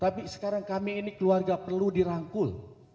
tapi sekarang kami ini keluarga perlu dirangkul